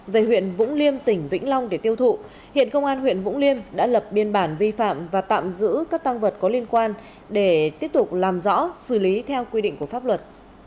về huyện vũng liêm tỉnh vĩnh long để tiêu thụ hiện công an huyện vũng liêm đã lập biên bản vi phạm và tạm giữ các tăng vật có liên quan để tiếp tục làm rõ xử lý theo quy định của pháp luật